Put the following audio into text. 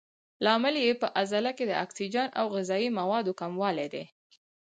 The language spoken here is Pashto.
لامل یې په عضله کې د اکسیجن او غذایي موادو کموالی دی.